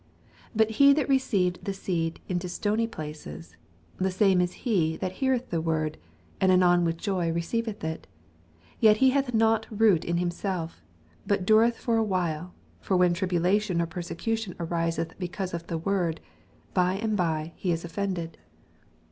20 But he that received the seed into stony places, the same is he that heareth tne word, and anon with joy reoeiveth it ; 21 Yet hath he not root in himself, bnt dnreth for a while; for when tribolation or persecntion ariseth be oanse of the word, by and by he is offended.